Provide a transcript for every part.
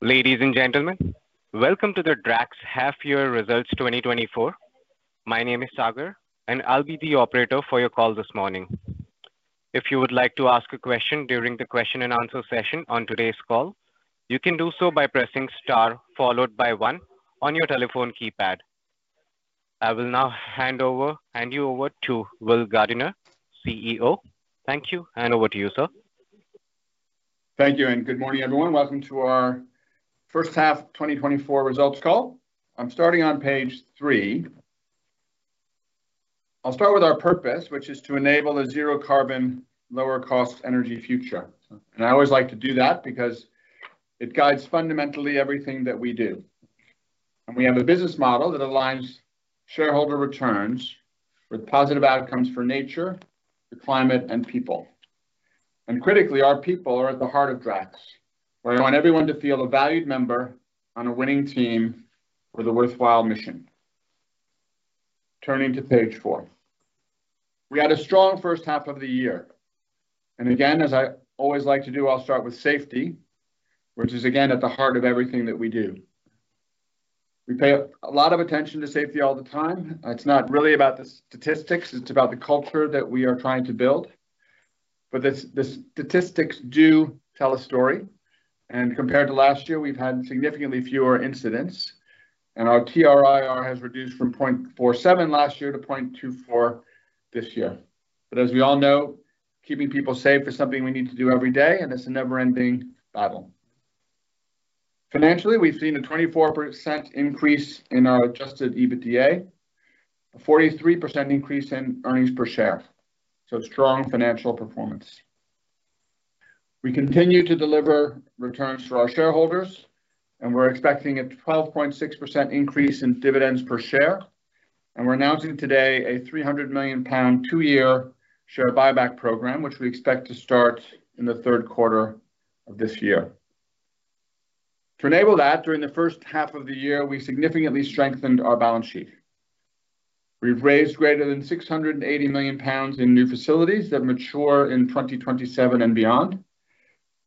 Ladies and gentlemen, welcome to the Drax half-year results 2024. My name is Sagar, and I'll be the operator for your call this morning. If you would like to ask a question during the question and answer session on today's call, you can do so by pressing star, followed by one on your telephone keypad. I will now hand over, hand you over to Will Gardiner, CEO. Thank you. And over to you, sir. Thank you, and good morning, everyone. Welcome to our first half 2024 results call. I'm starting on page 3. I'll start with our purpose, which is to enable a zero-carbon, lower cost energy future. I always like to do that because it guides fundamentally everything that we do. We have a business model that aligns shareholder returns with positive outcomes for nature, the climate and people. Critically, our people are at the heart of Drax. We want everyone to feel a valued member on a winning team with a worthwhile mission. Turning to page 4. We had a strong first half of the year, and again, as I always like to do, I'll start with safety, which is again, at the heart of everything that we do. We pay a lot of attention to safety all the time. It's not really about the statistics, it's about the culture that we are trying to build. But the statistics do tell a story, and compared to last year, we've had significantly fewer incidents, and our TRIR has reduced from 0.47 last year to 0.24 this year. But as we all know, keeping people safe is something we need to do every day, and it's a never-ending battle. Financially, we've seen a 24% increase in our adjusted EBITDA, a 43% increase in earnings per share. So strong financial performance. We continue to deliver returns for our shareholders, and we're expecting a 12.6% increase in dividends per share. And we're announcing today a 300 million pound, two-year share buyback program, which we expect to start in the third quarter of this year. To enable that, during the first half of the year, we significantly strengthened our balance sheet. We've raised greater than 680 million pounds in new facilities that mature in 2027 and beyond,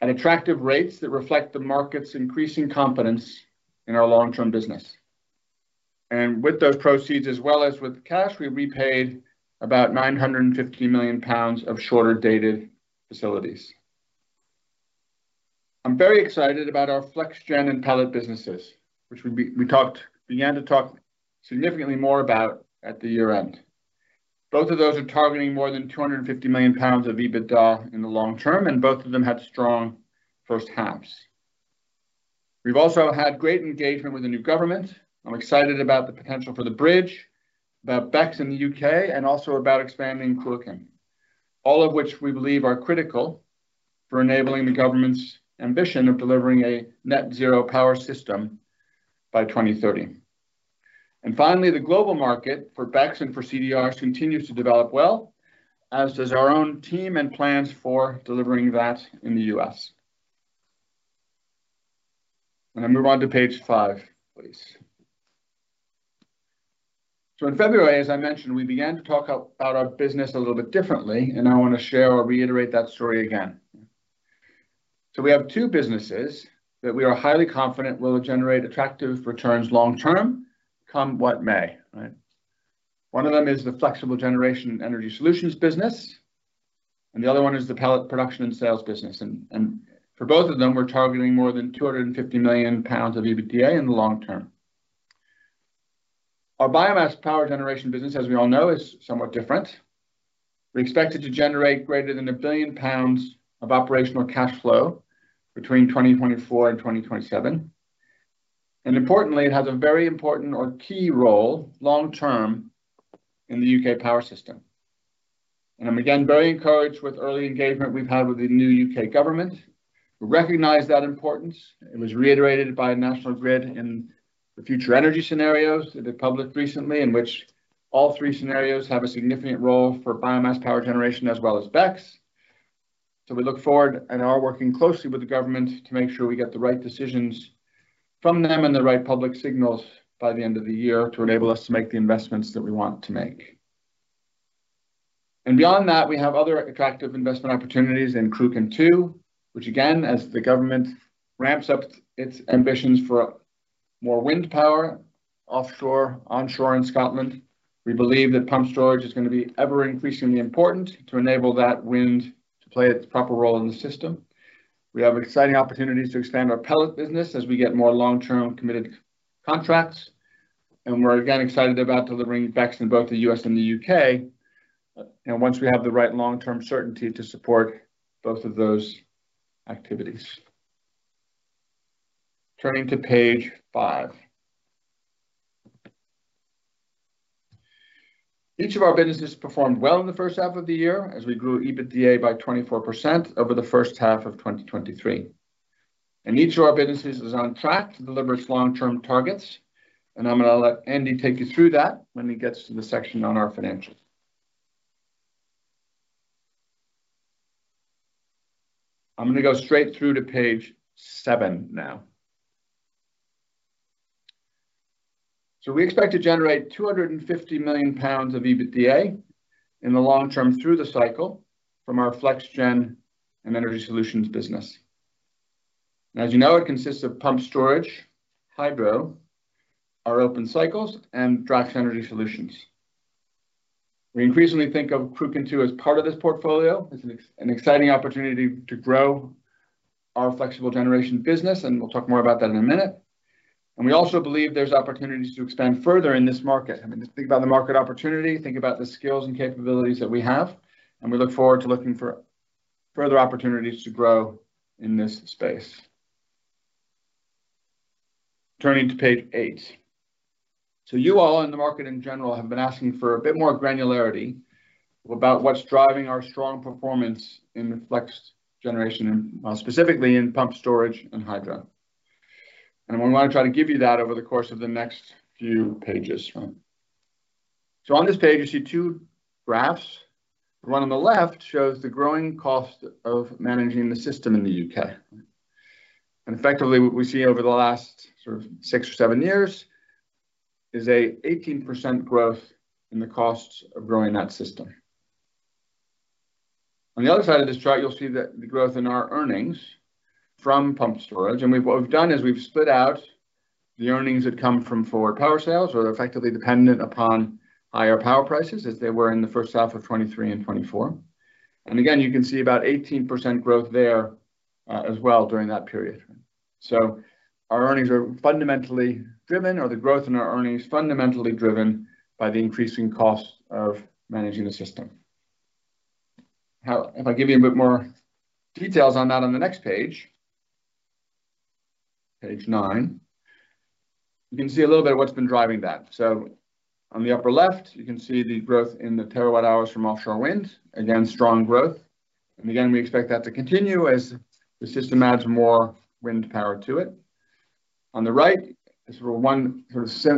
at attractive rates that reflect the market's increasing confidence in our long-term business. With those proceeds as well as with cash, we repaid about 950 million pounds of shorter-dated facilities. I'm very excited about our Flexgen and Pellet businesses, which we began to talk significantly more about at the year-end. Both of those are targeting more than 250 million pounds of EBITDA in the long term, and both of them had strong first halves. We've also had great engagement with the new government. I'm excited about the potential for the Bridge, about BECCS in the UK, and also about expanding Cruachan. All of which we believe are critical for enabling the government's ambition of delivering a net zero power system by 2030. And finally, the global market for BECCS and for CDR continues to develop well, as does our own team and plans for delivering that in the U.S. Can I move on to page 5, please? So in February, as I mentioned, we began to talk about our business a little bit differently, and I want to share or reiterate that story again. So we have two businesses that we are highly confident will generate attractive returns long term, come what may, right? One of them is the flexible generation and energy solutions business, and the other one is the pellet production and sales business. And for both of them, we're targeting more than 250 million pounds of EBITDA in the long term. Our biomass power generation business, as we all know, is somewhat different. We expect it to generate greater than 1 billion pounds of operational cash flow between 2024 and 2027. Importantly, it has a very important or key role long term in the U.K. power system. I'm again very encouraged with early engagement we've had with the new U.K. government, who recognize that importance. It was reiterated by National Grid in the future energy scenarios that they published recently, in which all three scenarios have a significant role for biomass power generation as well as BECCS. We look forward and are working closely with the government to make sure we get the right decisions from them and the right public signals by the end of the year to enable us to make the investments that we want to make. Beyond that, we have other attractive investment opportunities in Cruachan 2, which again, as the government ramps up its ambitions for more wind power, offshore, onshore in Scotland, we believe that pumped storage is going to be ever increasingly important to enable that wind to play its proper role in the system. We have exciting opportunities to expand our pellet business as we get more long-term committed contracts, and we're again excited about delivering BECCS in both the U.S. and the U.K., you know, once we have the right long-term certainty to support both of those activities. Turning to page five. Each of our businesses performed well in the first half of the year, as we grew EBITDA by 24% over the first half of 2023. Each of our businesses is on track to deliver its long-term targets, and I'm going to let Andy take you through that when he gets to the section on our financials. I'm going to go straight through to page seven now. We expect to generate 250 million pounds of EBITDA in the long term through the cycle from our Flexgen and Energy Solutions business. As you know, it consists of pumped storage, hydro, our open cycles, and Drax Energy Solutions. We increasingly think of Cruachan as part of this portfolio. It's an exciting opportunity to grow our flexible generation business, and we'll talk more about that in a minute. We also believe there's opportunities to expand further in this market. I mean, just think about the market opportunity, think about the skills and capabilities that we have, and we look forward to looking for further opportunities to grow in this space. Turning to page 8. So you all in the market in general have been asking for a bit more granularity about what's driving our strong performance in the flex generation and specifically in pumped storage and hydro. And we want to try to give you that over the course of the next few pages, right? So on this page, you see two graphs. The one on the left shows the growing cost of managing the system in the UK. And effectively, what we see over the last sort of six or seven years is an 18% growth in the costs of growing that system. On the other side of this chart, you'll see that the growth in our earnings from pumped storage, and what we've done is we've split out the earnings that come from forward power sales, or they're effectively dependent upon higher power prices, as they were in the first half of 2023 and 2024. And again, you can see about 18% growth there, as well during that period. So our earnings are fundamentally driven, or the growth in our earnings is fundamentally driven by the increasing cost of managing the system. If I give you a bit more details on that on the next page, page 9, you can see a little bit of what's been driving that. So on the upper left, you can see the growth in the terawatt hours from offshore wind. Again, strong growth. And again, we expect that to continue as the system adds more wind power to it. On the right is sort of one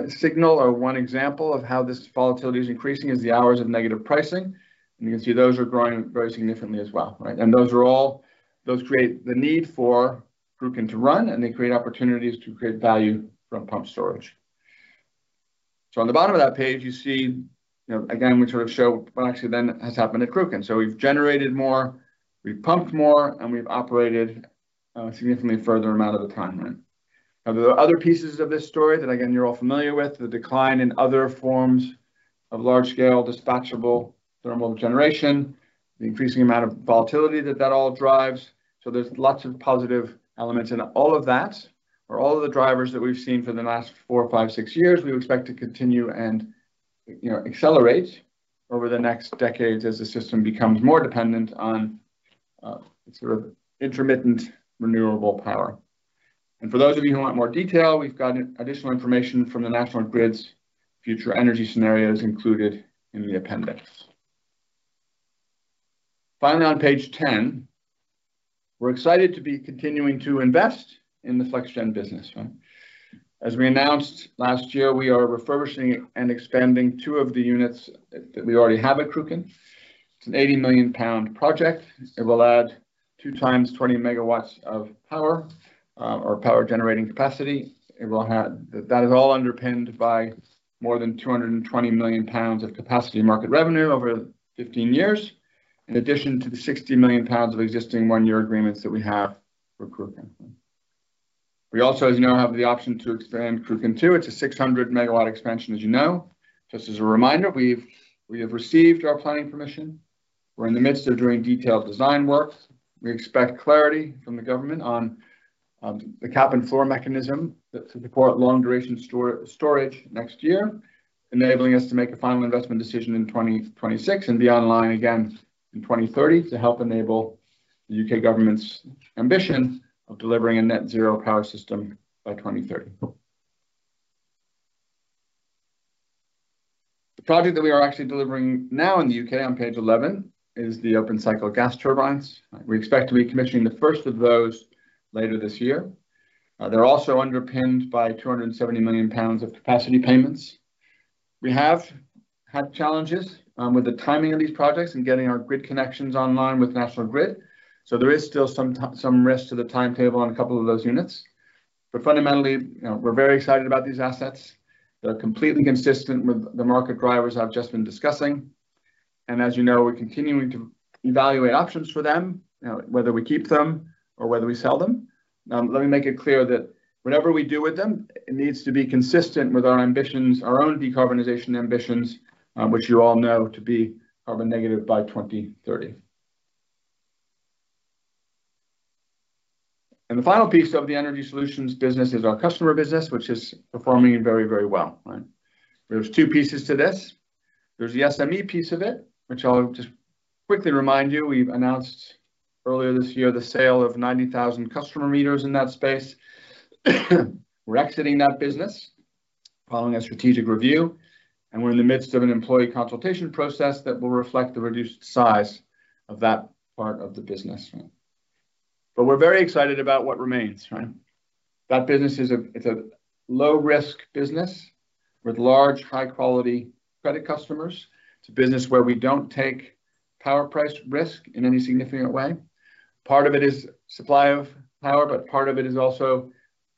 signal or one example of how this volatility is increasing: the hours of negative pricing. And you can see those are growing very significantly as well, right? And those create the need for Cruachan to run, and they create opportunities to create value from pumped storage. So on the bottom of that page, you see, you know, again, we sort of show what actually then has happened at Cruachan. And so we've generated more, we've pumped more, and we've operated significantly further amount of the time. Now, there are other pieces of this story that, again, you're all familiar with, the decline in other forms of large-scale, dispatchable thermal generation, the increasing amount of volatility that that all drives. So there's lots of positive elements in all of that, or all of the drivers that we've seen for the last four, five, six years, we expect to continue and, you know, accelerate over the next decades as the system becomes more dependent on sort of intermittent renewable power. And for those of you who want more detail, we've gotten additional information from the National Grid's future energy scenarios included in the appendix. Finally, on page 10, we're excited to be continuing to invest in the Flexgen business, right? As we announced last year, we are refurbishing and expanding two of the units that we already have at Cruachan. It's a 80 million pound project. It will add 2 times 20 MW of power or power generating capacity. That is all underpinned by more than 220 million pounds of capacity market revenue over 15 years, in addition to the 60 million pounds of existing one-year agreements that we have for Cruachan. We also, as you know, have the option to expand Cruachan 2. It's a 600 megawatt expansion, as you know. Just as a reminder, we have received our planning permission. We're in the midst of doing detailed design works. We expect clarity from the government on the cap and floor mechanism that support long-duration storage next year, enabling us to make a final investment decision in 2026 and be online again in 2030 to help enable the UK government's ambition of delivering a net zero power system by 2030. The project that we are actually delivering now in the UK, on page 11, is the open-cycle gas turbines. We expect to be commissioning the first of those later this year. They're also underpinned by 270 million pounds of capacity payments. We have had challenges, with the timing of these projects and getting our grid connections online with National Grid, so there is still some time, some risk to the timetable on a couple of those units. But fundamentally, you know, we're very excited about these assets. They're completely consistent with the market drivers I've just been discussing. And as you know, we're continuing to evaluate options for them, you know, whether we keep them or whether we sell them. Let me make it clear that whatever we do with them, it needs to be consistent with our ambitions, our own decarbonization ambitions, which you all know to be carbon negative by 2030. And the final piece of the energy solutions business is our customer business, which is performing very, very well, right? There's two pieces to this. There's the SME piece of it, which I'll just quickly remind you, we've announced earlier this year the sale of 90,000 customer meters in that space. We're exiting that business following a strategic review, and we're in the midst of an employee consultation process that will reflect the reduced size of that part of the business. But we're very excited about what remains, right? That business is a, it's a low-risk business with large, high-quality credit customers. It's a business where we don't take-... power price risk in any significant way. Part of it is supply of power, but part of it is also,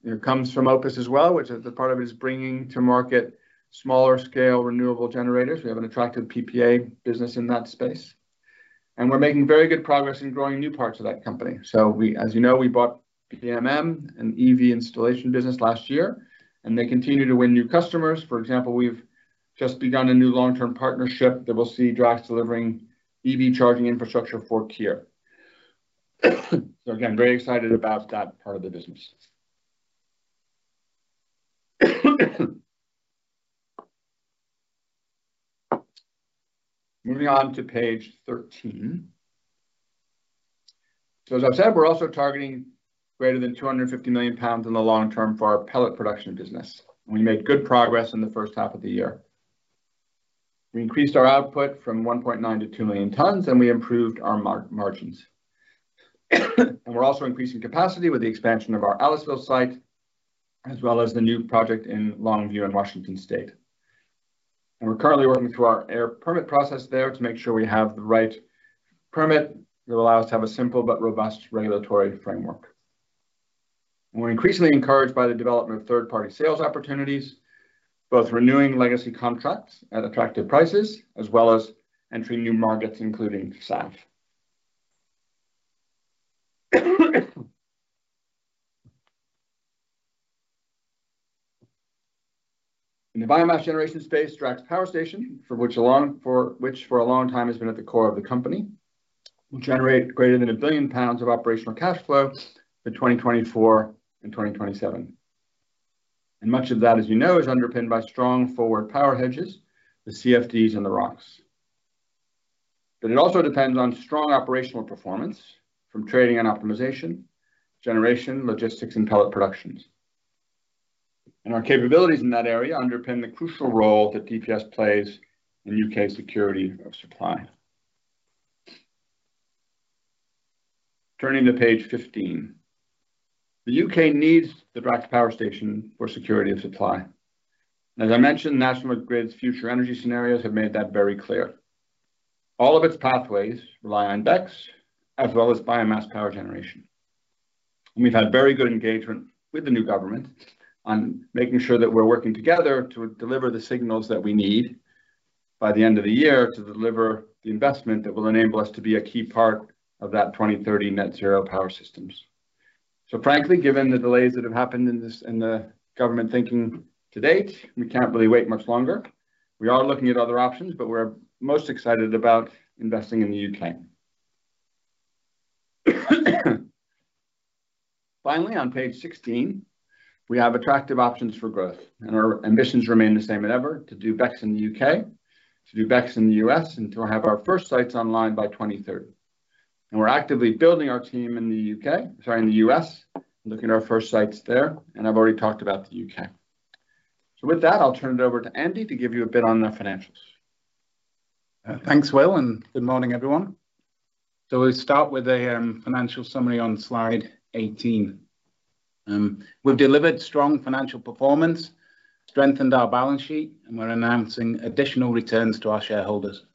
it comes from Opus as well, which is the part of it is bringing to market smaller scale renewable generators. We have an attractive PPA business in that space, and we're making very good progress in growing new parts of that company. So we, as you know, we bought PMM, an EV installation business last year, and they continue to win new customers. For example, we've just begun a new long-term partnership that will see Drax delivering EV charging infrastructure for Kia. So again, very excited about that part of the business. Moving on to page 13. So as I've said, we're also targeting greater than 250 million pounds in the long term for our pellet production business. We made good progress in the first half of the year. We increased our output from 1.9 to 2 million tons, and we improved our margins. We're also increasing capacity with the expansion of our Aliceville site, as well as the new project in Longview in Washington State. We're currently working through our air permit process there to make sure we have the right permit that will allow us to have a simple but robust regulatory framework. We're increasingly encouraged by the development of third-party sales opportunities, both renewing legacy contracts at attractive prices, as well as entering new markets, including SAF. In the biomass generation space, Drax Power Station, for which, for a long time, has been at the core of the company, will generate greater than 1 billion pounds of operational cash flow for 2024 and 2027. Much of that, as you know, is underpinned by strong forward power hedges, the CFDs and the rocks. But it also depends on strong operational performance from trading and optimization, generation, logistics and pellet productions. Our capabilities in that area underpin the crucial role that DPS plays in U.K. security of supply. Turning to page 15. The U.K. needs the Drax Power Station for security of supply. As I mentioned, National Grid's future energy scenarios have made that very clear. All of its pathways rely on BECCS as well as biomass power generation. We've had very good engagement with the new government on making sure that we're working together to deliver the signals that we need by the end of the year to deliver the investment that will enable us to be a key part of that 2030 net zero power systems. So frankly, given the delays that have happened in this, in the government thinking to date, we can't really wait much longer. We are looking at other options, but we're most excited about investing in the UK. Finally, on page 16, we have attractive options for growth, and our ambitions remain the same as ever to do BECCS in the UK, to do BECCS in the US, and to have our first sites online by 2030. We're actively building our team in the UK, sorry, in the US, looking at our first sites there, and I've already talked about the UK. So with that, I'll turn it over to Andy to give you a bit on the financials. Thanks, Will, and good morning, everyone. We start with a financial summary on slide 18. We've delivered strong financial performance, strengthened our balance sheet, and we're announcing additional returns to our shareholders.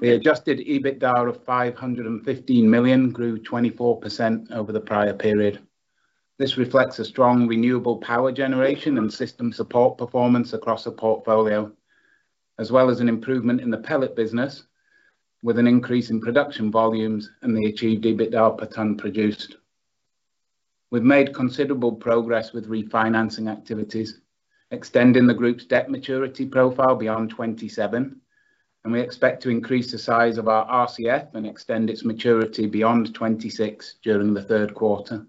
The Adjusted EBITDA of 515 million grew 24% over the prior period. This reflects a strong renewable power generation and system support performance across the portfolio, as well as an improvement in the pellet business, with an increase in production volumes and the achieved EBITDA per ton produced. We've made considerable progress with refinancing activities, extending the group's debt maturity profile beyond 2027, and we expect to increase the size of our RCF and extend its maturity beyond 2026 during the third quarter.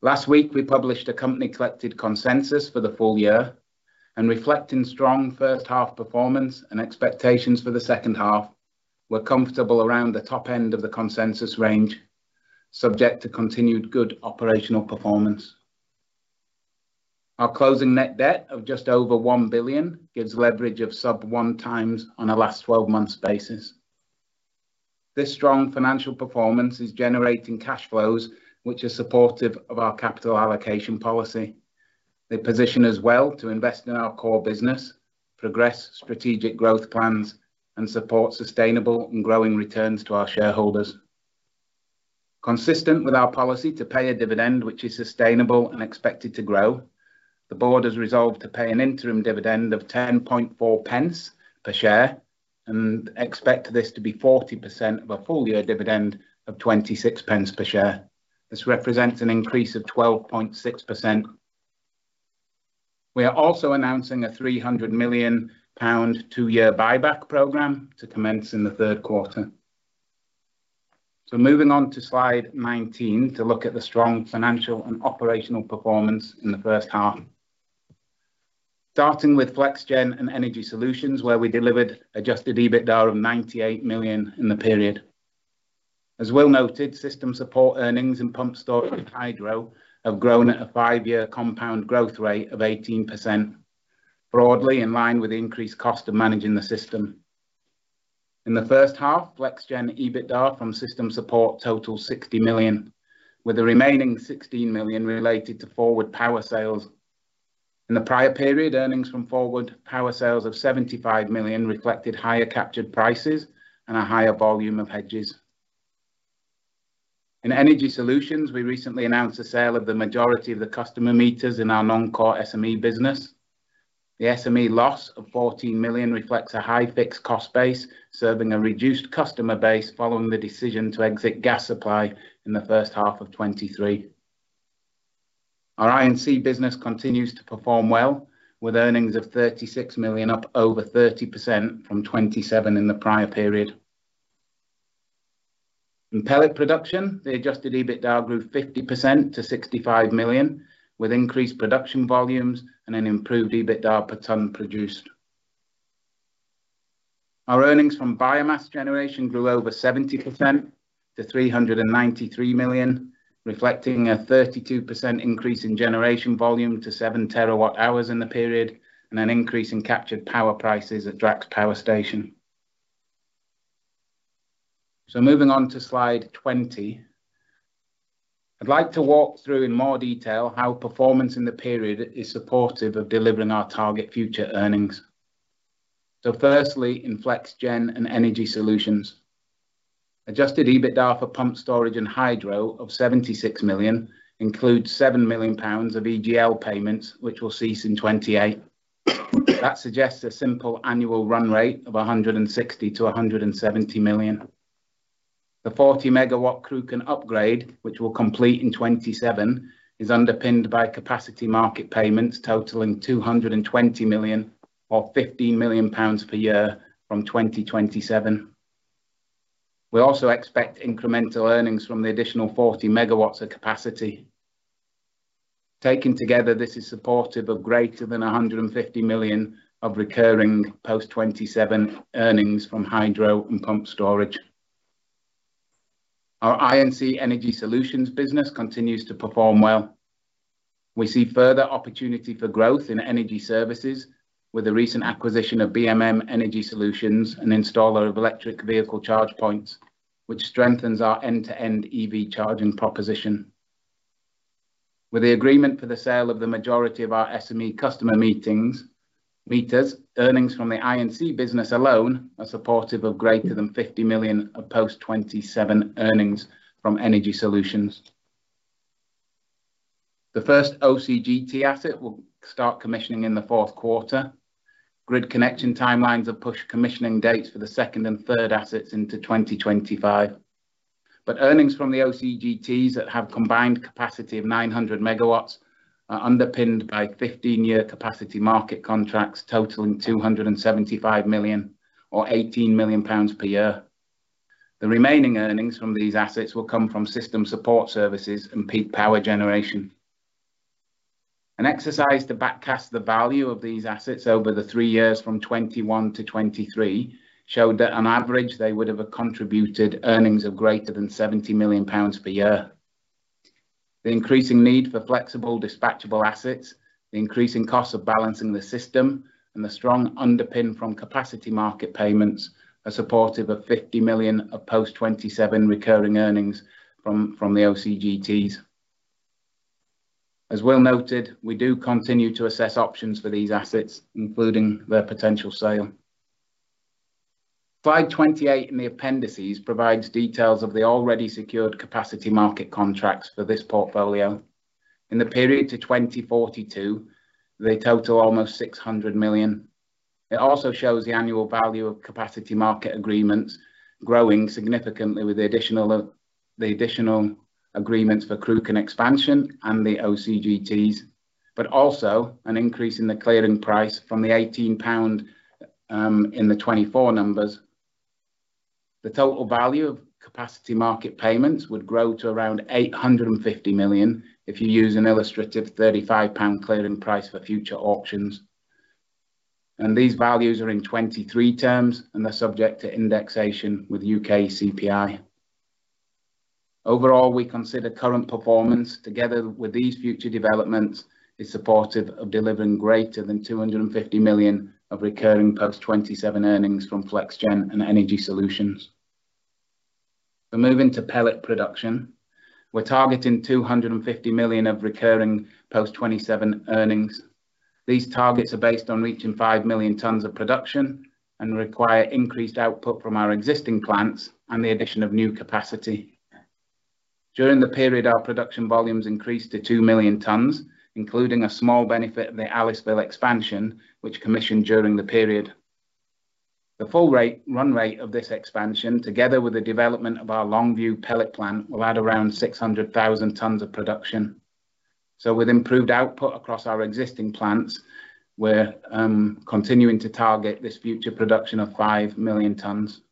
Last week, we published a company-collected consensus for the full year, and reflecting strong first half performance and expectations for the second half, we're comfortable around the top end of the consensus range, subject to continued good operational performance. Our closing net debt of just over 1 billion gives leverage of sub 1x on a last 12 months basis. This strong financial performance is generating cash flows, which are supportive of our capital allocation policy. They position us well to invest in our core business, progress strategic growth plans, and support sustainable and growing returns to our shareholders. Consistent with our policy to pay a dividend which is sustainable and expected to grow, the board has resolved to pay an interim dividend of 10.4 pence per share and expect this to be 40% of a full-year dividend of 26 pence per share. This represents an increase of 12.6%. We are also announcing a 300 million pound two-year buyback program to commence in the third quarter. So moving on to slide 19 to look at the strong financial and operational performance in the first half. Starting with Flexgen and Energy Solutions, where we delivered adjusted EBITDA of 98 million in the period. As Will noted, system support earnings and pumped storage with hydro have grown at a five-year compound growth rate of 18%, broadly in line with the increased cost of managing the system. In the first half, Flexgen EBITDA from system support totaled 60 million, with the remaining 16 million related to forward power sales-... In the prior period, earnings from forward power sales of 75 million reflected higher captured prices and a higher volume of hedges. In energy solutions, we recently announced the sale of the majority of the customer meters in our non-core SME business. The SME loss of 14 million reflects a high fixed cost base, serving a reduced customer base following the decision to exit gas supply in the first half of 2023. Our I&C business continues to perform well, with earnings of 36 million, up over 30% from 27 million in the prior period. In pellet production, the Adjusted EBITDA grew 50% to 65 million, with increased production volumes and an improved EBITDA per ton produced. Our earnings from biomass generation grew over 70% to 393 million, reflecting a 32% increase in generation volume to 7 terawatt hours in the period, and an increase in captured power prices at Drax Power Station. So moving on to slide 20. I'd like to walk through in more detail how performance in the period is supportive of delivering our target future earnings. So firstly, in Flexgen and Energy Solutions, Adjusted EBITDA for pumped storage and hydro of 76 million includes 7 million pounds of EGL payments, which will cease in 2028. That suggests a simple annual run rate of 160-170 million. The 40 MW Cruachan upgrade, which will complete in 2027, is underpinned by capacity market payments totaling 220 million, or 15 million pounds per year from 2027. We also expect incremental earnings from the additional 40 MW of capacity. Taken together, this is supportive of greater than 150 million of recurring post-2027 earnings from hydro and pumped storage. Our I&C Energy Solutions business continues to perform well. We see further opportunity for growth in energy services with the recent acquisition of BMM Energy Solutions, an installer of electric vehicle charge points, which strengthens our end-to-end EV charging proposition. With the agreement for the sale of the majority of our SME customer base, meters, earnings from the I&C business alone are supportive of greater than 50 million of post-2027 earnings from Energy Solutions. The first OCGT asset will start commissioning in the fourth quarter. Grid connection timelines have pushed commissioning dates for the second and third assets into 2025. Earnings from the OCGTs that have combined capacity of 900 megawatts are underpinned by 15-year capacity market contracts totaling 275 million or 18 million pounds per year. The remaining earnings from these assets will come from system support services and peak power generation. An exercise to backcast the value of these assets over the 3 years from 2021 to 2023 showed that on average, they would have contributed earnings of greater than 70 million pounds per year. The increasing need for flexible, dispatchable assets, the increasing cost of balancing the system, and the strong underpin from capacity market payments are supportive of 50 million of post-2027 recurring earnings from the OCGTs. As well noted, we do continue to assess options for these assets, including their potential sale. Slide 28 in the appendices provides details of the already secured capacity market contracts for this portfolio. In the period to 2042, they total almost 600 million. It also shows the annual value of capacity market agreements growing significantly with the addition of the additional agreements for Cruachan expansion and the OCGTs, but also an increase in the clearing price from the 18 pound in the 2024 numbers. The total value of capacity market payments would grow to around 850 million if you use an illustrative 35 pound clearing price for future auctions, and these values are in 2023 terms, and they're subject to indexation with UK CPI. Overall, we consider current performance, together with these future developments, is supportive of delivering greater than 250 million of recurring post-2027 earnings from Flexgen and Energy Solutions. We're moving to pellet production. We're targeting 250 million of recurring post-2027 earnings. These targets are based on reaching 5 million tons of production and require increased output from our existing plants and the addition of new capacity. During the period, our production volumes increased to 2 million tons, including a small benefit of the Aliceville expansion, which commissioned during the period. The full rate, run rate of this expansion, together with the development of our Longview pellet plant, will add around 600,000 tons of production. So with improved output across our existing plants, we're continuing to target this future production of 5 million tons.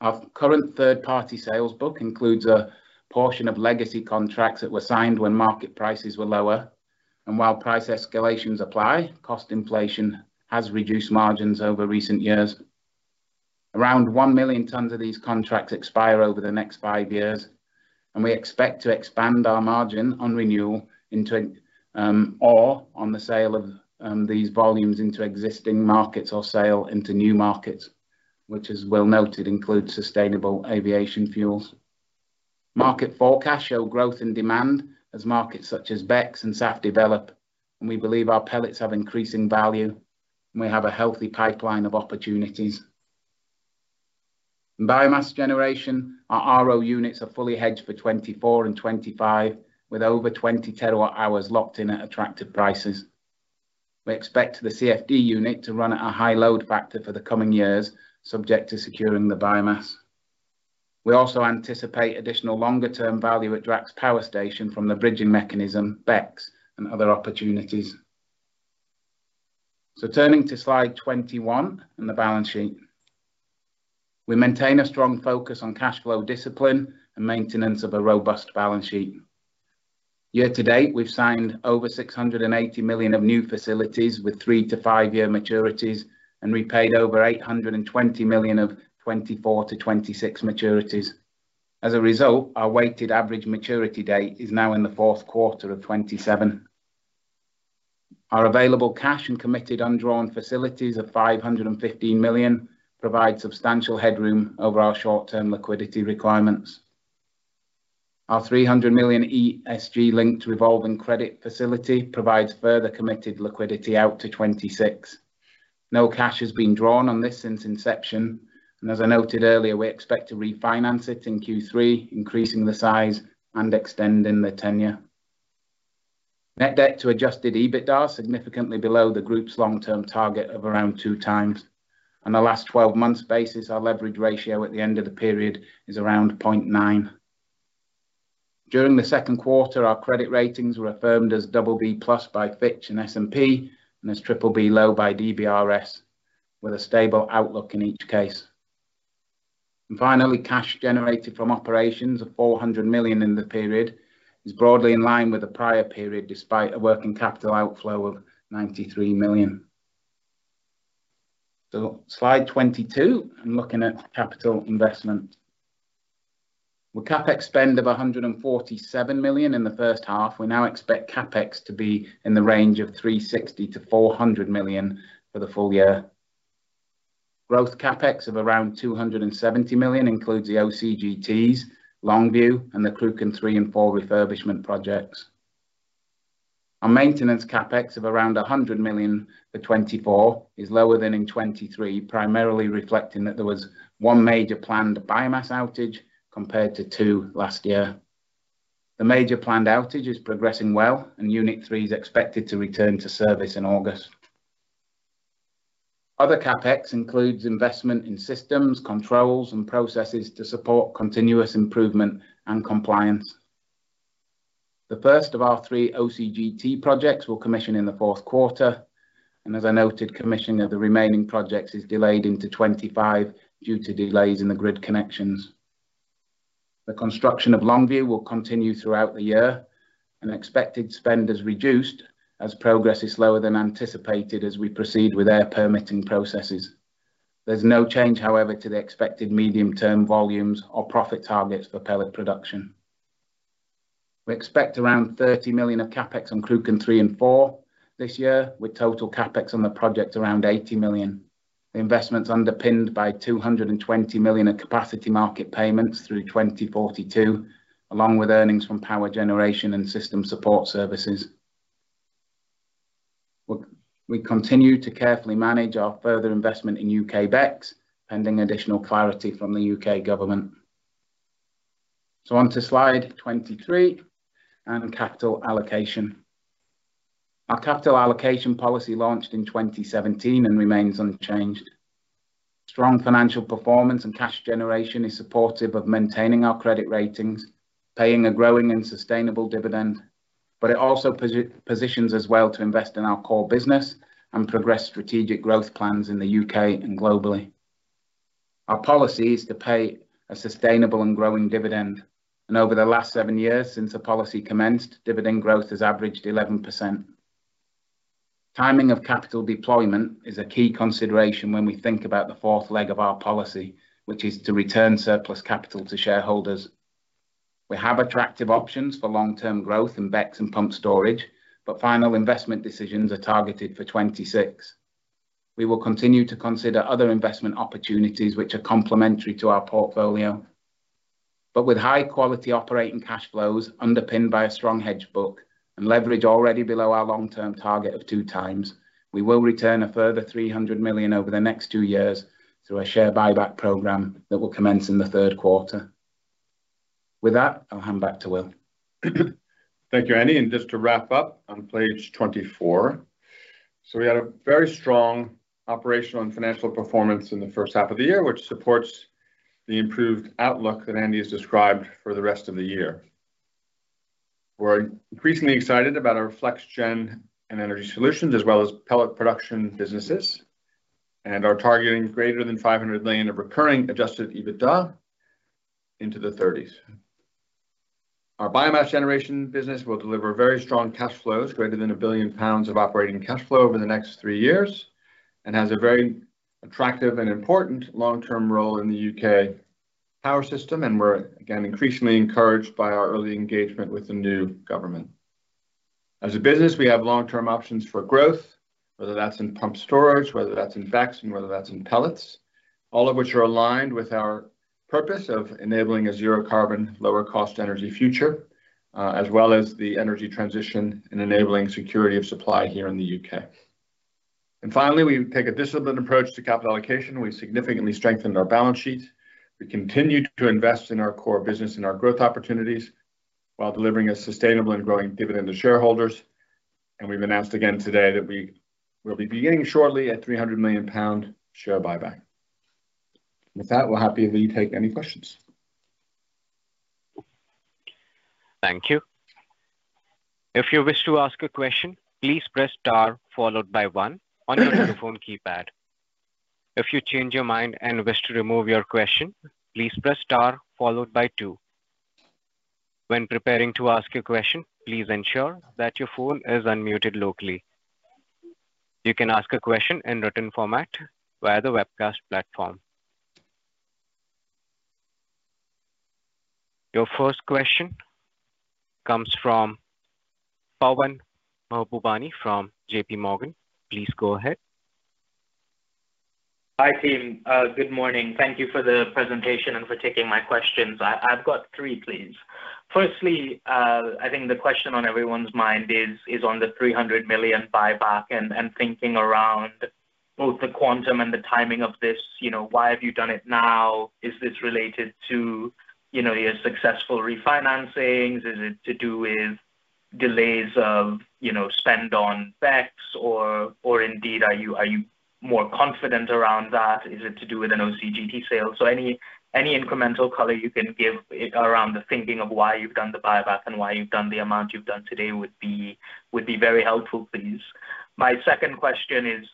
Our current third-party sales book includes a portion of legacy contracts that were signed when market prices were lower, and while price escalations apply, cost inflation has reduced margins over recent years. Around 1 million tons of these contracts expire over the next 5 years, and we expect to expand our margin on renewal into, or on the sale of, these volumes into existing markets or sale into new markets, which, as well noted, include sustainable aviation fuels. Market forecasts show growth in demand as markets such as BECCS and SAF develop, and we believe our pellets have increasing value, and we have a healthy pipeline of opportunities. In biomass generation, our RO units are fully hedged for 2024 and 2025, with over 20 terawatt hours locked in at attractive prices. We expect the CFD unit to run at a high load factor for the coming years, subject to securing the biomass. We also anticipate additional longer-term value at Drax Power Station from the bridging mechanism, BECCS and other opportunities. So turning to slide 21, and the balance sheet. We maintain a strong focus on cash flow discipline and maintenance of a robust balance sheet. Year to date, we've signed over 680 million of new facilities, with 3- to 5-year maturities, and repaid over 820 million of 2024-2026 maturities. As a result, our weighted average maturity date is now in the fourth quarter of 2027. Our available cash and committed undrawn facilities of 515 million provide substantial headroom over our short-term liquidity requirements. Our 300 million ESG-linked revolving credit facility provides further committed liquidity out to 2026. No cash has been drawn on this since inception, and as I noted earlier, we expect to refinance it in Q3, increasing the size and extending the tenure. Net debt to adjusted EBITDA is significantly below the group's long-term target of around 2x. On a last 12 months basis, our leverage ratio at the end of the period is around 0.9. During the second quarter, our credit ratings were affirmed as BB+ by Fitch and S&P and as BBB low by DBRS, with a stable outlook in each case. And finally, cash generated from operations of 400 million in the period is broadly in line with the prior period, despite a working capital outflow of 93 million. So slide 22, and looking at capital investment. With CapEx spend of 147 million in the first half, we now expect CapEx to be in the range of 360-400 million for the full year. Growth CapEx of around 270 million includes the OCGTs, Longview, and the Cruachan 3 and 4 refurbishment projects. Our maintenance CapEx of around 100 million for 2024 is lower than in 2023, primarily reflecting that there was 1 major planned biomass outage compared to 2 last year. The major planned outage is progressing well, and Unit 3 is expected to return to service in August. Other CapEx includes investment in systems, controls, and processes to support continuous improvement and compliance. The first of our 3 OCGT projects will commission in the fourth quarter, and as I noted, commissioning of the remaining projects is delayed into 2025 due to delays in the grid connections. The construction of Longview will continue throughout the year, and expected spend has reduced as progress is slower than anticipated as we proceed with air permitting processes. There's no change, however, to the expected medium-term volumes or profit targets for pellet production. We expect around 30 million of CapEx on Cruachan 3 and 4 this year, with total CapEx on the project around 80 million. The investment's underpinned by 220 million of Capacity Market payments through 2042, along with earnings from power generation and system support services. We continue to carefully manage our further investment in UK BECCS, pending additional clarity from the UK government. On to slide 23, and capital allocation. Our capital allocation policy launched in 2017 and remains unchanged. Strong financial performance and cash generation is supportive of maintaining our credit ratings, paying a growing and sustainable dividend, but it also positions us well to invest in our core business and progress strategic growth plans in the UK and globally. Our policy is to pay a sustainable and growing dividend, and over the last 7 years since the policy commenced, dividend growth has averaged 11%. Timing of capital deployment is a key consideration when we think about the fourth leg of our policy, which is to return surplus capital to shareholders. We have attractive options for long-term growth in BECCS and pumped storage, but final investment decisions are targeted for 2026. We will continue to consider other investment opportunities which are complementary to our portfolio. But with high-quality operating cash flows underpinned by a strong hedge book and leverage already below our long-term target of 2x, we will return a further 300 million over the next 2 years through a share buyback program that will commence in the third quarter. With that, I'll hand back to Will. Thank you, Andy, and just to wrap up on page 24. So we had a very strong operational and financial performance in the first half of the year, which supports the improved outlook that Andy has described for the rest of the year. We're increasingly excited about our flex gen and energy solutions, as well as pellet production businesses, and are targeting greater than 500 million of recurring adjusted EBITDA into the thirties. Our biomass generation business will deliver very strong cash flows, greater than 1 billion pounds of operating cash flow over the next three years, and has a very attractive and important long-term role in the UK power system, and we're, again, increasingly encouraged by our early engagement with the new government. As a business, we have long-term options for growth, whether that's in pumped storage, whether that's in BECCS, and whether that's in pellets. All of which are aligned with our purpose of enabling a zero carbon, lower cost energy future, as well as the energy transition and enabling security of supply here in the UK. Finally, we take a disciplined approach to capital allocation. We've significantly strengthened our balance sheet. We continue to invest in our core business and our growth opportunities, while delivering a sustainable and growing dividend to shareholders. We've announced again today that we will be beginning shortly a 300 million pound share buyback. With that, we're happy to take any questions. Thank you. If you wish to ask a question, please press star followed by one on your telephone keypad. If you change your mind and wish to remove your question, please press star followed by two. When preparing to ask a question, please ensure that your phone is unmuted locally. You can ask a question in written format via the webcast platform. Your first question comes from Pavan Mahbubani, from J.P. Morgan. Please go ahead. Hi, team. Good morning. Thank you for the presentation and for taking my questions. I've got three, please. Firstly, I think the question on everyone's mind is on the 300 million buyback and thinking around both the quantum and the timing of this. You know, why have you done it now? Is this related to, you know, your successful refinancings? Is it to do with delays of, you know, spend on BECCS or, or indeed, are you more confident around that? Is it to do with an OCGT sale? So any incremental color you can give around the thinking of why you've done the buyback and why you've done the amount you've done today would be very helpful, please. My second question is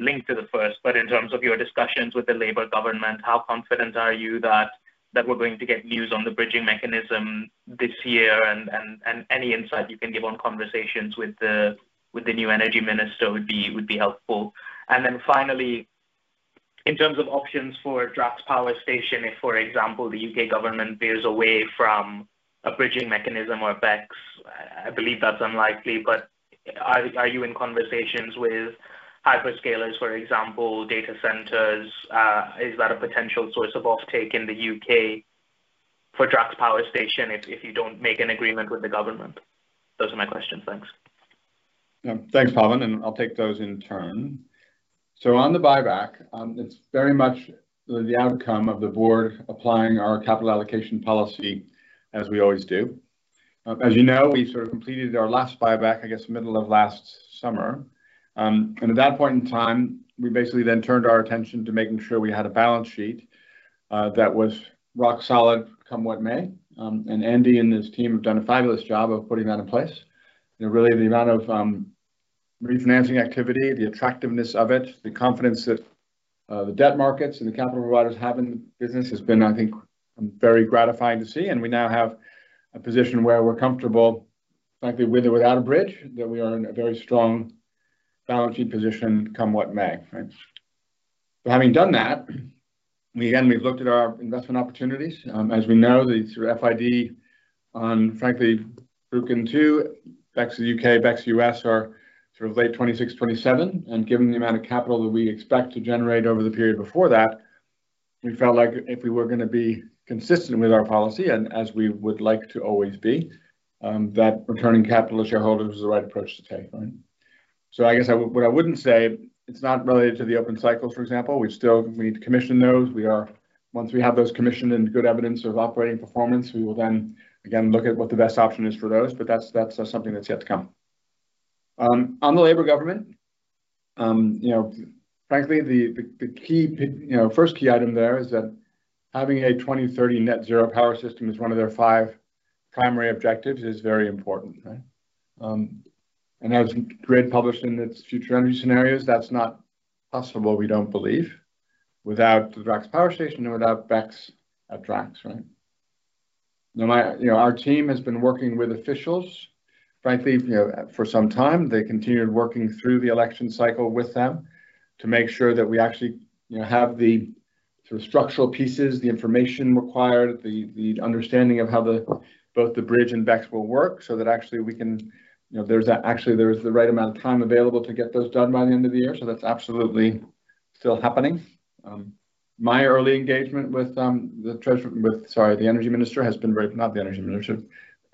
linked to the first, but in terms of your discussions with the Labour government, how confident are you that we're going to get news on the bridging mechanism this year? And any insight you can give on conversations with the new Energy Minister would be helpful. And then finally, in terms of options for Drax Power Station, if, for example, the UK government veers away from a bridging mechanism or BECCS, I believe that's unlikely, but are you in conversations with hyperscalers, for example, data centers? Is that a potential source of offtake in the UK for Drax Power Station if you don't make an agreement with the government? Those are my questions. Thanks. Thanks, Pavan, and I'll take those in turn. So on the buyback, it's very much the outcome of the board applying our capital allocation policy as we always do. As you know, we sort of completed our last buyback, I guess, middle of last summer. And at that point in time, we basically then turned our attention to making sure we had a balance sheet that was rock solid, come what may. And Andy and his team have done a fabulous job of putting that in place. You know, really, the amount of refinancing activity, the attractiveness of it, the confidence that the debt markets and the capital providers have in the business has been, I think, very gratifying to see. And we now have a position where we're comfortable, frankly, with or without a bridge, that we are in a very strong balance sheet position, come what may. Right? So having done that, we again, we've looked at our investment opportunities. As we know, the through FID on, frankly, Cruachan 2, BECCS UK, BECCS US, are sort of late 2026, 2027, and given the amount of capital that we expect to generate over the period before that, we felt like if we were gonna be consistent with our policy, and as we would like to always be, that returning capital to shareholders was the right approach to take, right? So I guess I, what I wouldn't say, it's not related to the open cycles, for example. We've still... We need to commission those. Once we have those commissioned and good evidence of operating performance, we will then again look at what the best option is for those. But that's something that's yet to come. On the Labour government, you know, frankly, the key first key item there is that having a 2030 net zero power system is one of their five primary objectives is very important, right? And as National Grid published in its future energy scenarios, that's not possible, we don't believe, without the Drax Power Station and without BECCS at Drax, right? Now, you know, our team has been working with officials, frankly, you know, for some time. They continued working through the election cycle with them to make sure that we actually, you know, have the sort of structural pieces, the information required, the understanding of how the both the bridge and BECCS will work, so that actually we can... You know, actually, there's the right amount of time available to get those done by the end of the year. So that's absolutely still happening. My early engagement with the Treasury with, sorry, the Energy Minister has been very... Not the Energy Minister,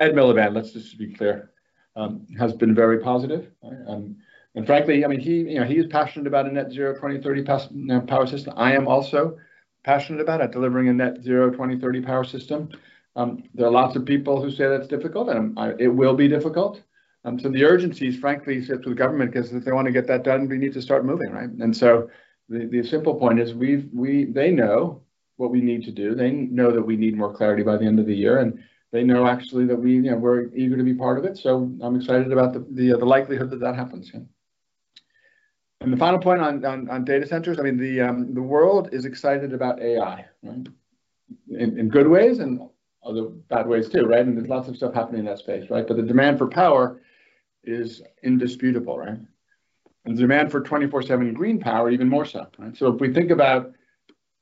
Ed Miliband, let's just be clear, has been very positive. And frankly, I mean, he, you know, he is passionate about a net zero 2030 path power system. I am also passionate about it, delivering a net zero 2030 power system. There are lots of people who say that's difficult, and it will be difficult. So the urgency is frankly said to the government, 'cause if they want to get that done, we need to start moving, right? And so the simple point is they know what we need to do. They know that we need more clarity by the end of the year, and they know actually that we, you know, we're eager to be part of it. So I'm excited about the likelihood that that happens here. And the final point on data centers, I mean, the world is excited about AI, right? In good ways and other bad ways too, right? And there's lots of stuff happening in that space, right? But the demand for power is indisputable, right? and the demand for 24/7 green power even more so, right? So if we think about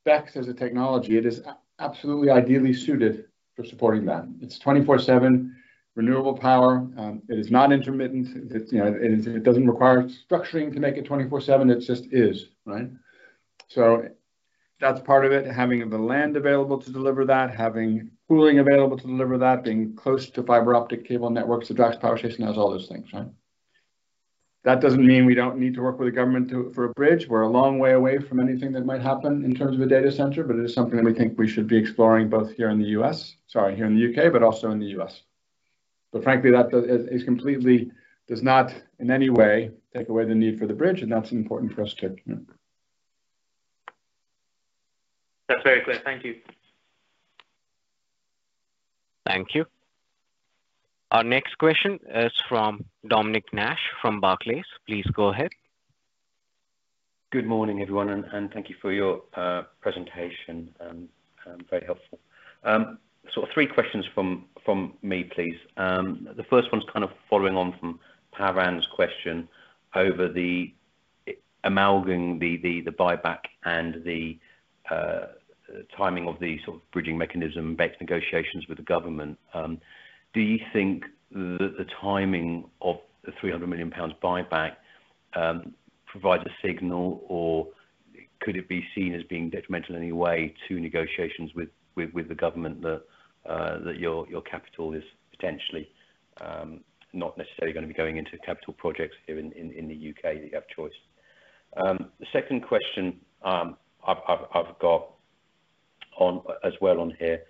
BECCS as a technology, it is absolutely ideally suited for supporting that. It's 24/7 renewable power. It is not intermittent. It, you know, it, it doesn't require structuring to make it 24/7. It just is, right? So that's part of it, having the land available to deliver that, having cooling available to deliver that, being close to fiber optic cable networks. The Drax Power Station has all those things, right? That doesn't mean we don't need to work with the government to, for a bridge. We're a long way away from anything that might happen in terms of a data center, but it is something that we think we should be exploring, both here in the US, sorry, here in the UK, but also in the US. But frankly, that does... It completely does not, in any way, take away the need for the bridge, and that's important for us to note. That's very clear. Thank you. Thank you. Our next question is from Dominic Nash from Barclays. Please go ahead. Good morning, everyone, and thank you for your presentation. Very helpful. So three questions from me, please. The first one's kind of following on from Pavan's question over the amalgamating the buyback and the timing of the sort of bridging mechanism BECCS negotiations with the government. Do you think that the timing of the 300 million pounds buyback provides a signal, or could it be seen as being detrimental in any way to negotiations with the government that your capital is potentially not necessarily gonna be going into capital projects here in the U.K., that you have choice? The second question I've got, as well on here,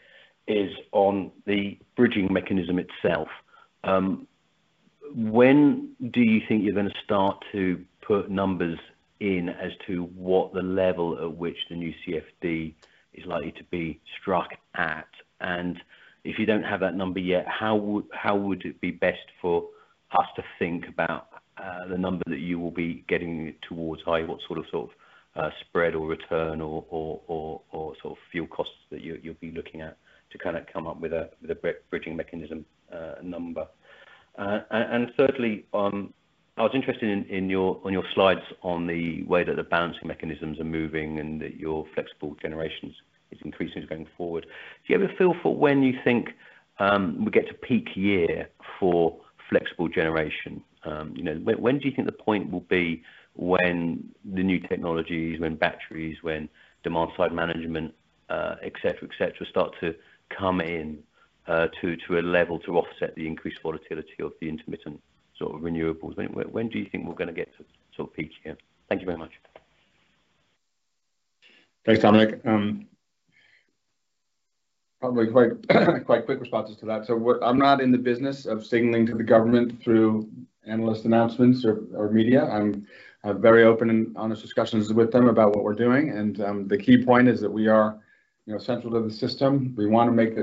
is on the bridging mechanism itself. When do you think you're gonna start to put numbers in as to what the level at which the new CFD is likely to be struck at? And if you don't have that number yet, how would, how would it be best for us to think about the number that you will be getting towards? I.e., what sort of, sort of, spread or return or, or, or, or sort of fuel costs that you, you'll be looking at to kinda come up with a, with a bridging mechanism number? And thirdly, I was interested in, in your, on your slides on the way that the balancing mechanisms are moving and that your flexible generations is increasing going forward. Do you have a feel for when you think we get to peak year for flexible generation? You know, when do you think the point will be when the new technologies, when batteries, when demand-side management, et cetera, et cetera, start to come in, to a level to offset the increased volatility of the intermittent sort of renewables? When do you think we're gonna get to sort of peak here? Thank you very much. Thanks, Dominic. Probably quite quick responses to that. So what... I'm not in the business of signaling to the government through analyst announcements or media. I have very open and honest discussions with them about what we're doing, and the key point is that we are, you know, central to the system. We want to make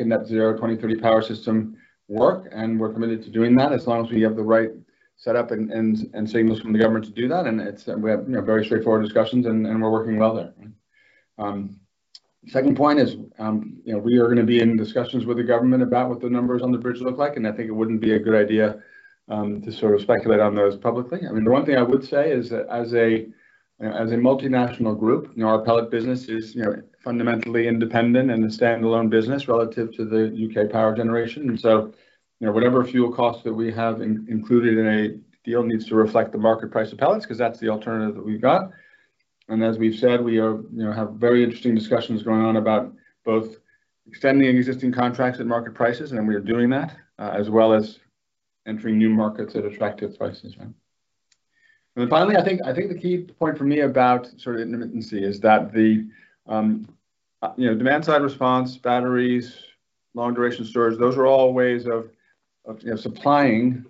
a net zero 20/30 power system work, and we're committed to doing that, as long as we have the right setup and signals from the government to do that. And it's, we have, you know, very straightforward discussions, and we're working well there, right? Second point is, you know, we are gonna be in discussions with the government about what the numbers on the bridge look like, and I think it wouldn't be a good idea to sort of speculate on those publicly. I mean, the one thing I would say is that as a, you know, as a multinational group, you know, our pellet business is, you know, fundamentally independent and a standalone business relative to the UK power generation. And so, you know, whatever fuel costs that we have included in a deal needs to reflect the market price of pellets, 'cause that's the alternative that we've got. And as we've said, we are, you know, have very interesting discussions going on about both extending existing contracts at market prices, and we are doing that, as well as entering new markets at attractive prices, right? And then finally, I think, I think the key point for me about sort of intermittency is that the, you know, demand-side response, batteries, long-duration storage, those are all ways of, of, you know, supplying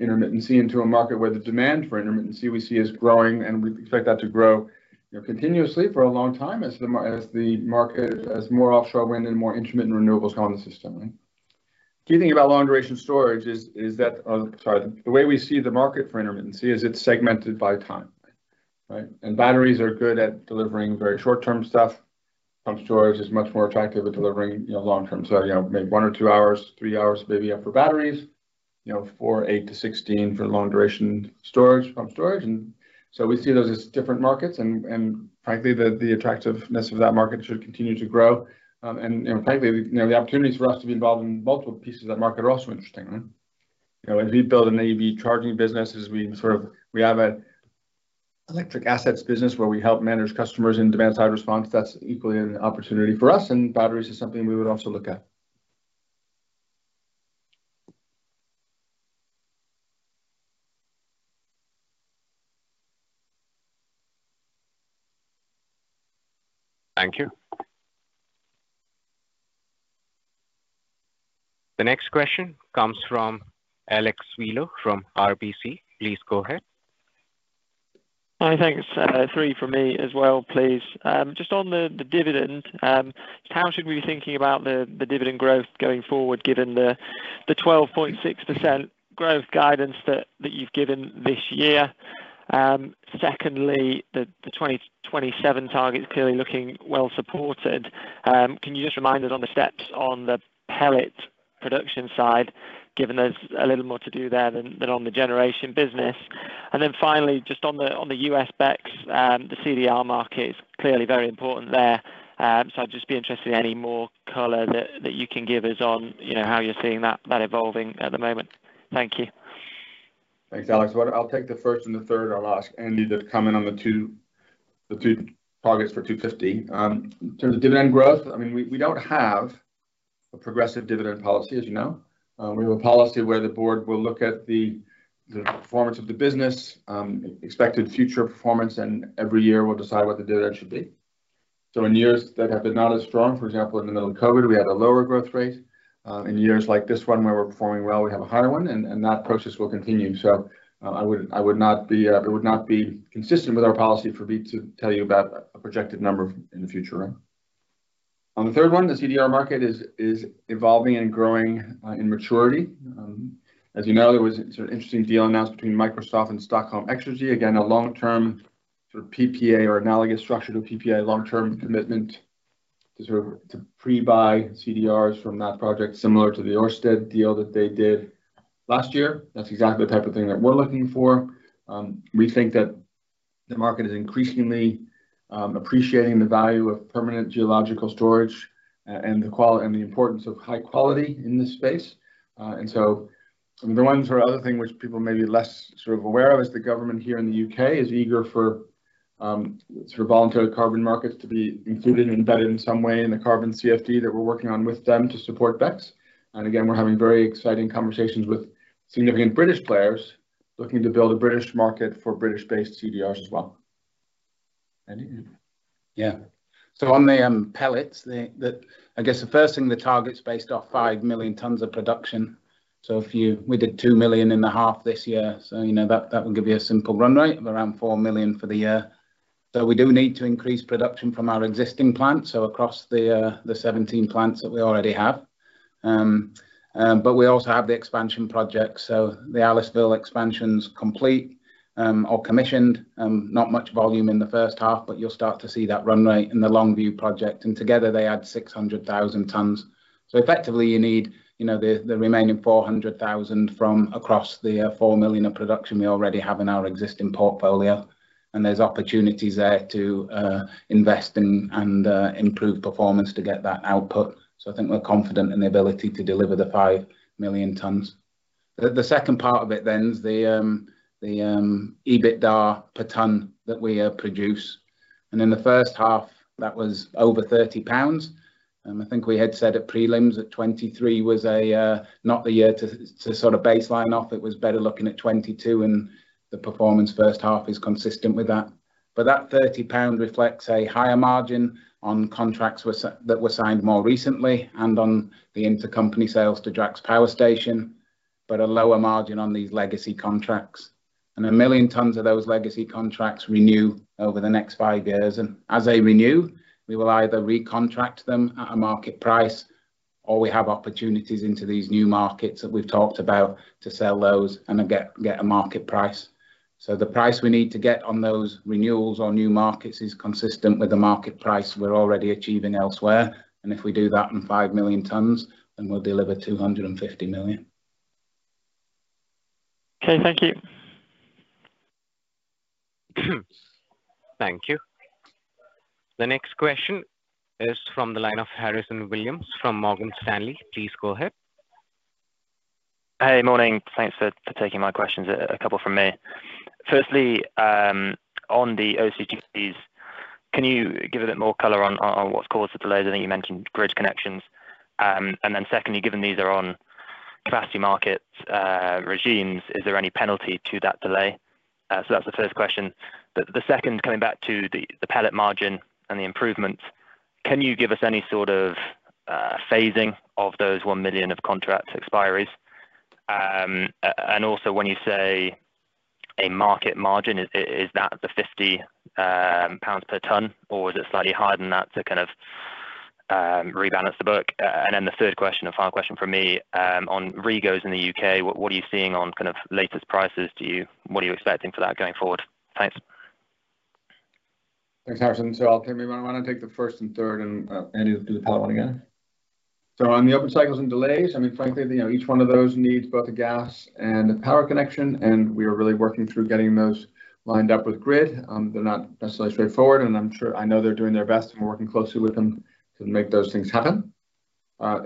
intermittency into a market where the demand for intermittency we see is growing, and we expect that to grow, you know, continuously for a long time as the market... as more offshore wind and more intermittent renewables go on the system, right? Key thing about long-duration storage is, is that... Sorry, the way we see the market for intermittency is it's segmented by time, right? And batteries are good at delivering very short-term stuff. Pumped storage is much more attractive at delivering, you know, long-term. So, you know, maybe 1 or 2 hours, 3 hours, maybe up for batteries, you know, 4, 8-16 for long-duration storage, pumped storage. And so we see those as different markets, and, and frankly, the, the attractiveness of that market should continue to grow. And frankly, you know, the opportunities for us to be involved in multiple pieces of that market are also interesting, right? You know, as we build an EV charging business, as we sort of- we have a electric assets business where we help manage customers in demand-side response, that's equally an opportunity for us, and batteries is something we would also look at. Thank you. The next question comes from Alex Wheeler from RBC. Please go ahead. Hi, thanks. Three for me as well, please. Just on the dividend, how should we be thinking about the dividend growth going forward, given the 12.6% growth guidance that you've given this year? Secondly, the 2027 target is clearly looking well supported. Can you just remind us on the steps on the pellet production side, given there's a little more to do there than on the generation business? And then finally, just on the US BECCS, the CDR market is clearly very important there. So I'd just be interested in any more color that you can give us on, you know, how you're seeing that evolving at the moment. Thank you. Thanks, Alex. Well, I'll take the first and the third, and I'll ask Andy to comment on the two, the two targets for 250. In terms of dividend growth, I mean, we, we don't have a progressive dividend policy, as you know. We have a policy where the board will look at the, the performance of the business, expected future performance, and every year we'll decide what the dividend should be. So in years that have been not as strong, for example, in the middle of COVID, we had a lower growth rate. In years like this one, where we're performing well, we have a higher one, and, and that process will continue. So, I would, I would not be... It would not be consistent with our policy for me to tell you about a projected number in the future. On the third one, the CDR market is, is evolving and growing in maturity. As you know, there was an interesting deal announced between Microsoft and Stockholm Exergy. Again, a long-term sort of PPA or analogous structure to PPA, long-term commitment to sort of, to pre-buy CDRs from that project, similar to the Ørsted deal that they did last year. That's exactly the type of thing that we're looking for. We think that the market is increasingly appreciating the value of permanent geological storage and the importance of high quality in this space. And so the one other thing which people may be less sort of aware of is, the government here in the U.K. is eager for voluntary carbon markets to be included and embedded in some way in the carbon CfD that we're working on with them to support BECCS. And again, we're having very exciting conversations with significant British players looking to build a British market for British-based CDRs as well. Andy? Yeah. So on the pellets, the, I guess the first thing, the target's based off 5 million tons of production. So we did 2.5 million this year, so, you know, that would give you a simple run rate of around 4 million for the year. So we do need to increase production from our existing plants, so across the 17 plants that we already have. But we also have the expansion project, so the Aliceville expansion's complete, or commissioned. Not much volume in the first half, but you'll start to see that run rate in the Longview project, and together, they add 600,000 tons. So effectively, you need, you know, the remaining 400,000 from across the 4 million in production we already have in our existing portfolio, and there's opportunities there to invest in and improve performance to get that output. So I think we're confident in the ability to deliver the 5 million tons. The second part of it then is the EBITDA per ton that we produce. And in the first half, that was over 30 pounds. I think we had said at prelims that 2023 was a not the year to sort of baseline off. It was better looking at 2022, and the performance first half is consistent with that. That 30 pound reflects a higher margin on contracts whereas that were signed more recently and on the intercompany sales to Drax Power Station, but a lower margin on these legacy contracts. 1 million tons of those legacy contracts renew over the next 5 years, and as they renew, we will either recontract them at a market price, or we have opportunities into these new markets that we've talked about to sell those and then get a market price. The price we need to get on those renewals or new markets is consistent with the market price we're already achieving elsewhere, and if we do that in 5 million tons, then we'll deliver 250 million. Okay, thank you. Thank you. The next question is from the line of Harrison Williams, from Morgan Stanley. Please go ahead. Hey, morning. Thanks for taking my questions, a couple from me. Firstly, on the OCGTs, can you give a bit more color on what's caused the delay? I think you mentioned grid connections. And then secondly, given these are on capacity markets regimes, is there any penalty to that delay? So that's the first question. But the second, coming back to the pellet margin and the improvements, can you give us any sort of phasing of those 1 million of contract expiries? And also, when you say a market margin, is that the 50 pounds per ton, or is it slightly higher than that to kind of rebalance the book? And then the third question and final question from me, on REGOs in the UK, what are you seeing on kind of latest prices? What are you expecting for that going forward? Thanks. Thanks, Harrison. So maybe why don't I take the first and third, and Andy will do the pellet one again. So on the open cycles and delays, I mean, frankly, you know, each one of those needs both a gas and a power connection, and we are really working through getting those lined up with grid. They're not necessarily straightforward, and I'm sure I know they're doing their best, and we're working closely with them to make those things happen.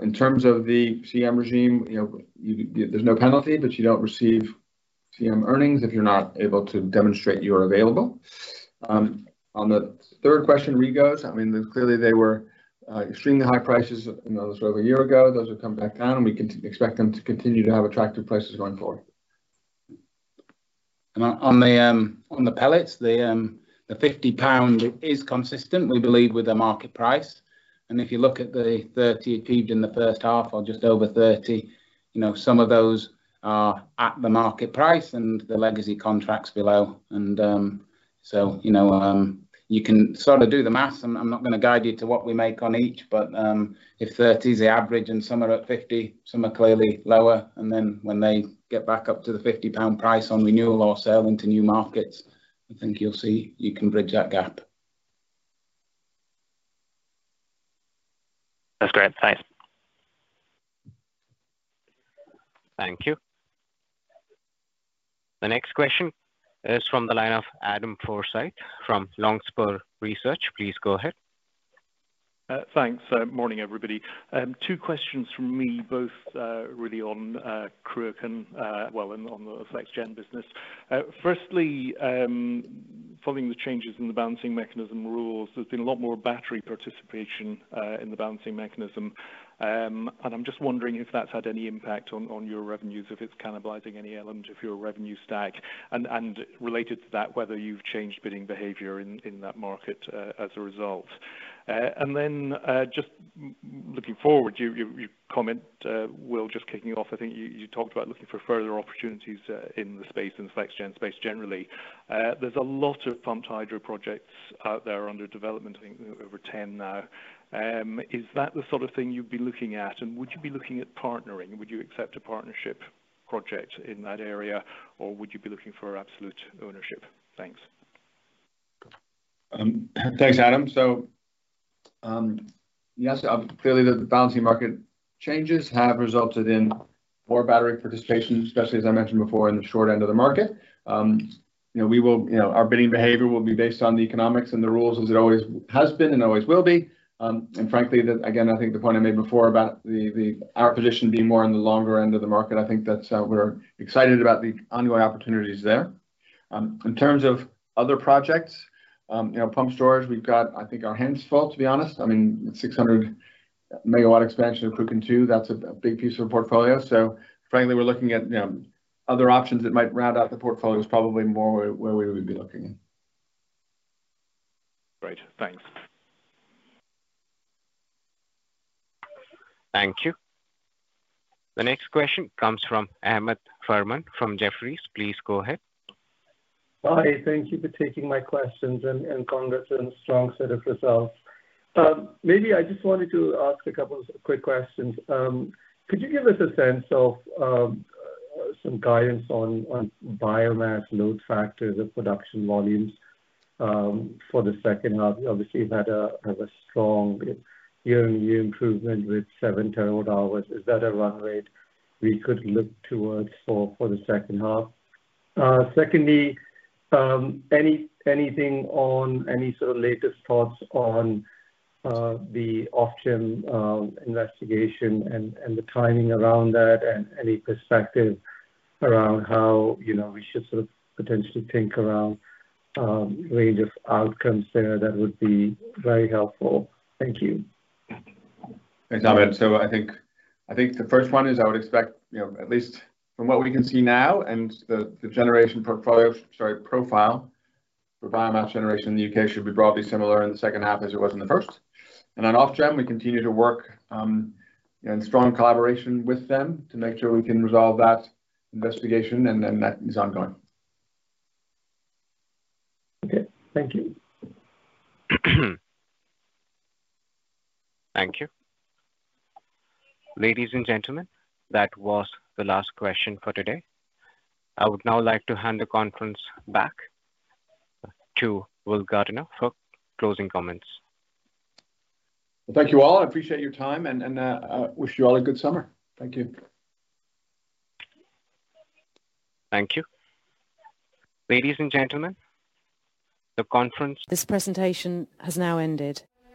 In terms of the CM regime, you know, there's no penalty, but you don't receive CM earnings if you're not able to demonstrate you're available. On the third question, REGOs, I mean, clearly, they were extremely high prices, those were over a year ago. Those have come back down, and we can expect them to continue to have attractive prices going forward. On the pellets, the 50 pound is consistent, we believe, with the market price. And if you look at the 30 achieved in the first half or just over 30, you know, some of those are at the market price and the legacy contracts below. So, you know, you can sort of do the math. I'm, I'm not gonna guide you to what we make on each, but, if 30 is the average and some are at 50, some are clearly lower, and then when they get back up to the 50 pound price on renewal or selling to new markets, I think you'll see you can bridge that gap. ... That's great. Thanks. Thank you. The next question is from the line of Adam Forsyth from Longspur Research. Please go ahead. Thanks. Morning, everybody. Two questions from me, both really on Cruachan, well, and on the Flexgen business. Firstly, following the changes in the Balancing Mechanism rules, there's been a lot more battery participation in the Balancing Mechanism. And I'm just wondering if that's had any impact on your revenues, if it's cannibalizing any element of your revenue stack, and related to that, whether you've changed bidding behavior in that market as a result? And then, just looking forward, you comment, Will, just kicking off, I think you talked about looking for further opportunities in the space, in the Flexgen space, generally. There's a lot of pumped hydro projects out there under development, I think over 10 now. Is that the sort of thing you'd be looking at? Would you be looking at partnering? Would you accept a partnership project in that area, or would you be looking for absolute ownership? Thanks. Thanks, Adam. So, yes, clearly, the balancing market changes have resulted in more battery participation, especially as I mentioned before, in the short end of the market. You know, we will. You know, our bidding behavior will be based on the economics and the rules, as it always has been and always will be. And frankly, that, again, I think the point I made before about our position being more on the longer end of the market, I think that's, we're excited about the ongoing opportunities there. In terms of other projects, you know, pumped storage, we've got, I think, our hands full, to be honest. I mean, 600-MW expansion of Cruachan 2, that's a big piece of our portfolio. So frankly, we're looking at other options that might round out the portfolio is probably more where we would be looking. Great. Thanks. Thank you. The next question comes from Ahmed Farman from Jefferies. Please go ahead. Hi, thank you for taking my questions, and congrats on the strong set of results. Maybe I just wanted to ask a couple of quick questions. Could you give us a sense of some guidance on biomass load factors and production volumes for the second half? Obviously, you had a strong year-on-year improvement with 7 terawatt hours. Is that a run rate we could look towards for the second half? Secondly, anything on any sort of latest thoughts on the Ofgem investigation and the timing around that, and any perspective around how, you know, we should sort of potentially think around range of outcomes there? That would be very helpful. Thank you. Thanks, Ahmed. So I think, I think the first one is I would expect, you know, at least from what we can see now, and the generation portfolio, sorry, profile for biomass generation in the UK should be broadly similar in the second half as it was in the first. And on Ofgem, we continue to work in strong collaboration with them to make sure we can resolve that investigation, and then that is ongoing. Okay. Thank you. Thank you. Ladies and gentlemen, that was the last question for today. I would now like to hand the conference back to Will Gardiner for closing comments. Thank you, all. I appreciate your time, and I wish you all a good summer. Thank you. Thank you. Ladies and gentlemen, the conference- This presentation has now ended.